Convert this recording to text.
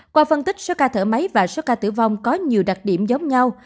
qua phân tích số ca thở máy và số ca tử vong có nhiều đặc điểm giống nhau